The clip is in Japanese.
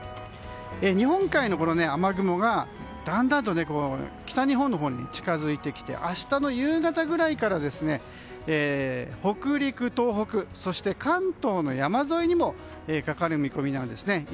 日本海の雨雲がだんだんと北日本のほうに近づいてきて明日の夕方ぐらいから北陸、東北そして、関東の山沿いにもかかる見込みなんですね。